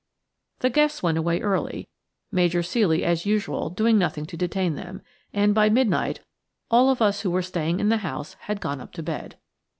The guests went away early, Major Ceely, as usual, doing nothing to detain them; and by midnight all of us who were staying in the house had gone up to bed.